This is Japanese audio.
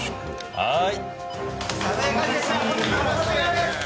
はい。